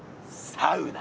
サウナ！？